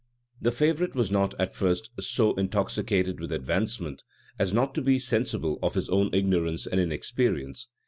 The favorite was not, at first, so intoxicated with advancement, as not to be sensible of his own ignorance and inexperience.